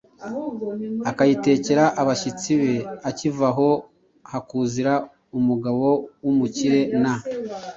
akayitekera abashyitsi be. Akiva aho hakuzira umugabo w’umukire na